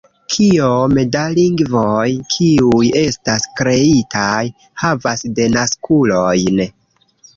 Kiom da lingvoj, kiuj estas kreitaj, havas denaskulojn?